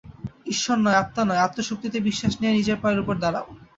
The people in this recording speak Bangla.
ঈশ্বর নয়, আত্মা নয়, আত্মশক্তিতে বিশ্বাস নিয়ে নিজের পায়ের উপর দাঁড়াও।